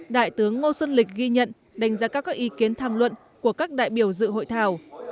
đại tướng ngô xuân lịch ghi nhận đánh giá các ý kiến tham luận của các đại biểu dự hội thảo